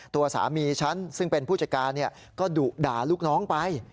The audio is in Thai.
ตัวสามีฉันซึ่งเป็นผู้จัดการก็ดุด่าลูกน้องไป